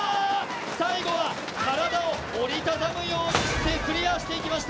最後は体を折りたたむようにしてクリアしていきました。